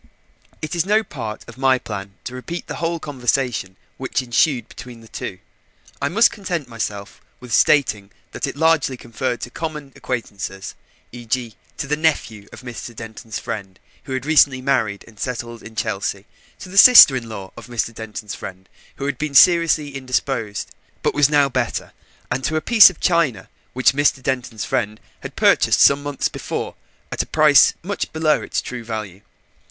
It is no part of my plan to repeat the whole conversation which ensued between the two. I must content myself with stating that it largely referred to common acquaintances, e.g., to the nephew of Mr. Denton's friend who had recently married and settled in Chelsea, to the sister in law of Mr. Denton's friend who had been seriously indisposed, but was now better, and to a piece of china which Mr. Denton's friend had purchased some months before at a price much below its true value.